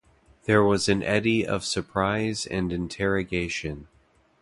There was an eddy of surprise and interrogation.